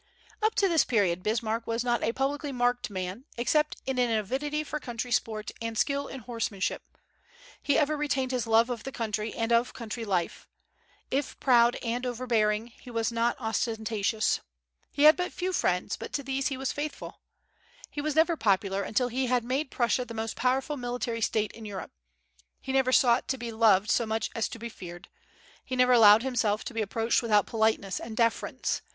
Up to this period Bismarck was not a publicly marked man, except in an avidity for country sports and skill in horsemanship. He ever retained his love of the country and of country life. If proud and overbearing, he was not ostentatious. He had but few friends, but to these he was faithful. He never was popular until he had made Prussia the most powerful military State in Europe. He never sought to be loved so much as to be feared; he never allowed himself to be approached without politeness and deference.